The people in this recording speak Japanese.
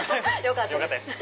よかったです。